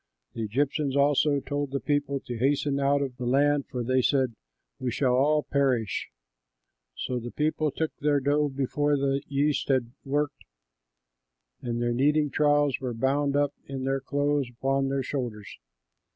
The Egyptians also told the people to hasten out of the land, for they said, "We shall all perish." So the people took their dough before the yeast had worked, and their kneading troughs were bound up in their clothes upon their shoulders.